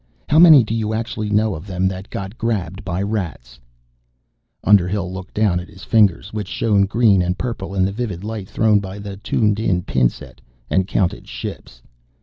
How many do you actually know of them that got grabbed by Rats?" Underhill looked down at his fingers, which shone green and purple in the vivid light thrown by the tuned in pin set, and counted ships.